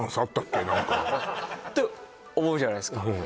って思うじゃないですか